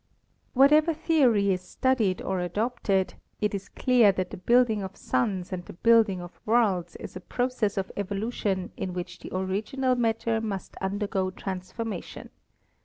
Whatever theory is studied or adopted, it is clear that the building of suns and the building of worlds is a process of evolution in which the original matter must undergo transformation.